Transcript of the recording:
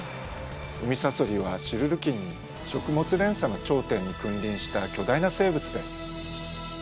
ウミサソリはシルル紀に食物連鎖の頂点に君臨した巨大な生物です。